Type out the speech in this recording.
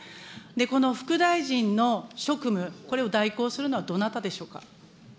この副大臣の職務、これを代行するのはどなたでしょうか。